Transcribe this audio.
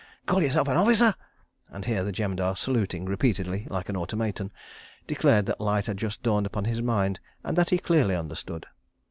Call yourself an officer! ..." and here the Jemadar, saluting repeatedly, like an automaton, declared that light had just dawned upon his mind and that he clearly understood.